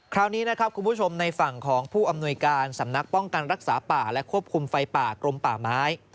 คราวนี้นะครับคุณผู้ชมในฝั่งของผู้อำนวยการสำนักป้องกันรักษาป่าและควบคุมไฟป่ากรมป่าไม้